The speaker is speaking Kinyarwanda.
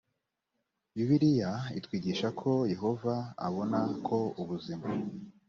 bibiliya itwigisha ko yehova abona ko ubuzima